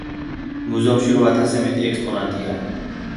მუზეუმში რვა ათასზე მეტი ექსპონატია.